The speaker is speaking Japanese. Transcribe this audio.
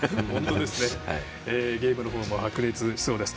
ゲームの方も白熱しそうです。